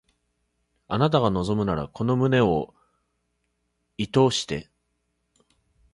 あなたが望むならこの胸を射通して